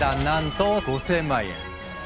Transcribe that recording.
なんと５，０００万円。